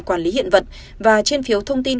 quản lý hiện vật và trên phiếu thông tin